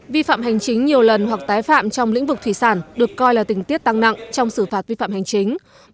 vi phạm hành chính nhiều lần hoặc tái phạm trong lĩnh vực thủy sản được coi là tình tiết tăng nặng trong xử phạt vi phạm hành chính